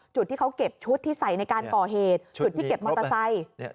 จุดที่เขาเก็บชุดที่ใส่ในการก่อเหตุจุดที่เก็บมอเตอร์ไซค์